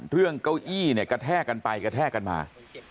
เก้าอี้เนี่ยกระแทกกันไปกระแทกกันมา